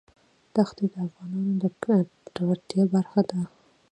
دښتې د افغانانو د ګټورتیا برخه ده.